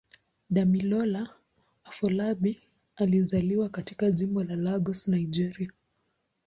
Damilola Afolabi alizaliwa katika Jimbo la Lagos, Nigeria.